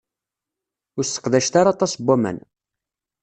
Ur sseqdacet ara aṭas n waman.